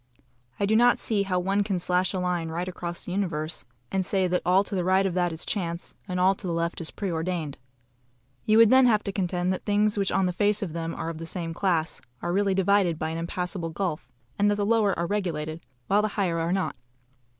I do not see how one can slash a line right across the universe, and say that all to the right of that is chance, and all to the left is pre ordained. You would then have to contend that things which on the face of them are of the same class, are really divided by an impassable gulf, and that the lower are regulated, while the higher are not.